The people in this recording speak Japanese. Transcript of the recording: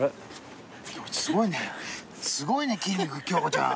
・すごいねすごいね筋肉京子ちゃん。